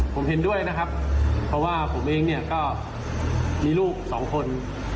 ผมเห็นด้วยนะครับเพราะว่าผมเองเนี่ยก็มีลูกสองคน